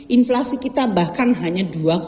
inflasi kita bahkan hanya dua enam